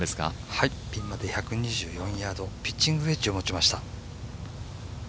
ピンまで１２４ヤード、ピッチングウェッジを持ちました。